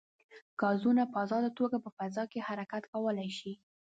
ګازونه په ازاده توګه په فضا کې حرکت کولی شي.